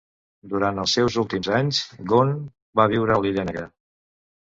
Durant els seus últims anys, Gunn va viure a l'Illa Negra.